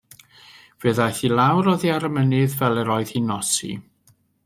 Fe ddaeth i lawr oddi ar y mynydd fel yr oedd hi'n nosi.